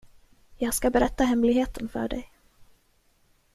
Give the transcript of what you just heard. Jag ska berätta hemligheten för dig.